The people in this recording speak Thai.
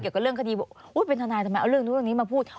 เกี่ยวกับเรื่องคดีเป็นทนายทำไมเอาเรื่องนี้มาพูด